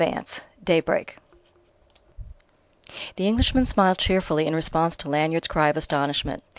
XXVII DAYBREAK The Englishman smiled cheerfully in response to Lanyard's cry of astonishment.